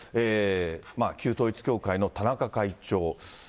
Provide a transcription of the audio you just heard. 旧統一教会の田中会長。